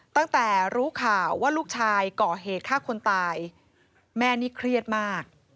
ตั้งแต่รู้ข่าวว่าลูกชายก่อเหตุฆ่าคนตายแม่นี่เครียดมาก